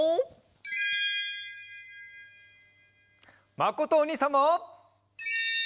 まことおにいさんも！